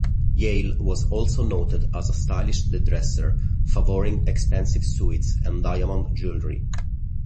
Yale was also noted as a stylish dresser, favoring expensive suits and diamond jewelry.